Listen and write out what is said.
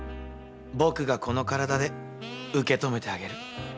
僕がこの体で受け止めてあげる。